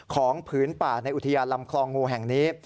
ผืนป่าในอุทยานลำคลองงูแห่งนี้